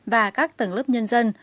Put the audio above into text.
và các tầng lớp nhân dân